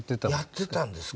やってたんですか。